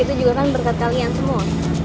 itu juga kan berkat kalian semua